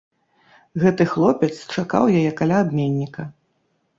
Гэты хлопец чакаў яе каля абменніка.